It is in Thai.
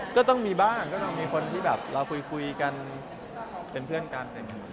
ก็ต้องมีบ้างก็ต้องมีคนที่แบบเราคุยกันเป็นเพื่อนกัน